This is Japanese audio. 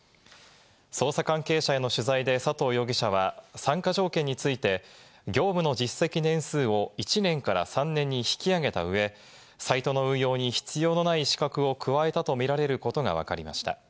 捜査関係者への取材で佐藤容疑者は参加条件について、業務の実績年数を１年から３年に引き上げた上、サイトの運用に必要のない資格を加えたとみられることがわかりました。